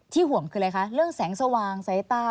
ห่วงคืออะไรคะเรื่องแสงสว่างสายตา